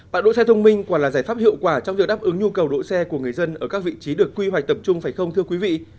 bãi đỗ xe thông minh còn là giải pháp hiệu quả trong việc đáp ứng nhu cầu đỗ xe của người dân ở các vị trí được quy hoạch tập trung phải không thưa quý vị